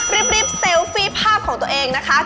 รีบเซลฟี่ภาพของตัวเองนะคะ